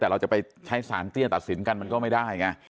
แต่เราจะไปใช้สารเตี้ยตัดสินกันมันก็ไม่ได้ไง